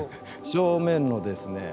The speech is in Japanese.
正面のですね